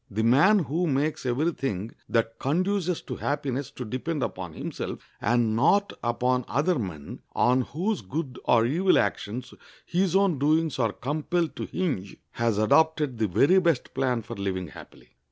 The man who makes every thing that conduces to happiness to depend upon himself, and not upon other men, on whose good or evil actions his own doings are compelled to hinge, has adopted the very best plan for living happily.